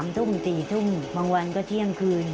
๓ทุ่ม๔ทุ่มบางวันก็เที่ยงคืน